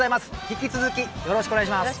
引き続きよろしくお願いします。